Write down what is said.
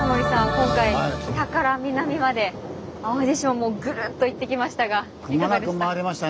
今回北から南まで淡路島もうぐるっと行ってきましたがいかがでした？